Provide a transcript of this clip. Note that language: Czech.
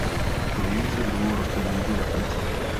Nejvíce druhů roste v jižní Africe.